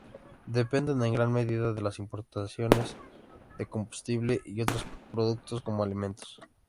Dependen en gran medida de las importaciones de combustible y otros productos, como alimentos.